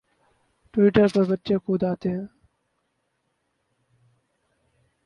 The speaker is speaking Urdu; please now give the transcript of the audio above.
ٹوئٹر پر بچے خود آتے ہیں